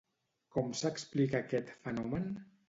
Com s'explica aquest fenomen?